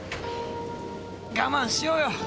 我慢しようよ。